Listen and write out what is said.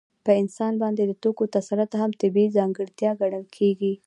په انسان باندې د توکو تسلط هم طبیعي ځانګړتیا ګڼل کېږي